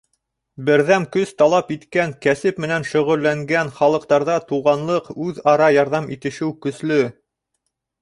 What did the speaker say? Берҙәм көс талап иткән кәсеп менән шөғөлләнгән халыҡтарҙа туғанлыҡ, үҙ-ара ярҙам итешеү көслө.